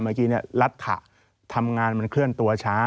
เมื่อกี้รัฐทำงานมันเคลื่อนตัวช้า